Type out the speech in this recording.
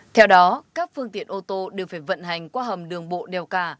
theo đó các phương tiện ô tô đều phải vận hành qua hầm đường bộ đèo cả